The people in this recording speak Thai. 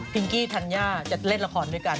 กี้ธัญญาจะเล่นละครด้วยกัน